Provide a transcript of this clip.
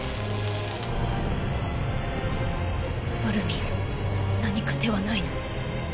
アルミン何か手は無いの？